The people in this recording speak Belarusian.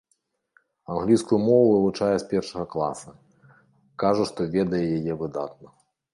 Англійскую мову вывучае з першага класа, кажа што ведае яе выдатна.